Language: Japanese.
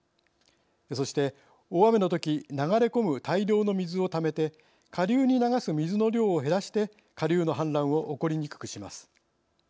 そして大雨のとき流れ込む大量の水をためて下流に流す水の量を減らして下流の氾濫を起こりにくくします。